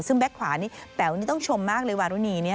ซึ่งแก๊กขวานี่แป๋วนี่ต้องชมมากเลยวารุณี